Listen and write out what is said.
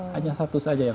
hanya satu saja yang